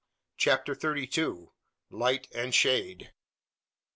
CHAPTER THIRTY TWO. LIGHT AND SHADE.